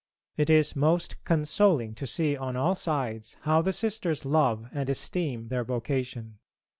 It is most consoling to see on all sides how the Sisters love and esteem their vocation.